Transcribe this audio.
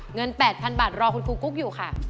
เงิน๘๐๐๐บาทรอคุณครูกุ๊กอยู่ค่ะ